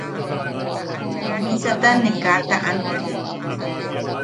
Misata ne kaa taʼan.